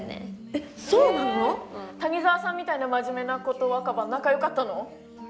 え谷沢さんみたいな真面目な子と若葉仲良かったの？